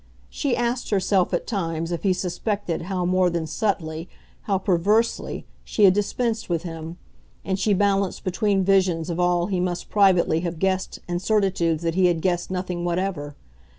She asked herself at times if he suspected how more than subtly, how perversely, she had dispensed with him, and she balanced between visions of all he must privately have guessed and certitudes that he had guessed nothing whatever.